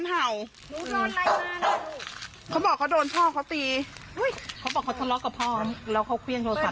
เขาบอกเขาโดนพ่อเขาตีเขาบอกเขาทะเลาะกับพ่อแล้วเขาเครื่องโทรศั